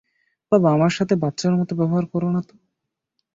বাবা, আমার সাথে বাচ্চার মত ব্যবহার করো না তো।